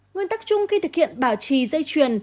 nguyên tắc chung khi thực hiện bảo trì dây chuyền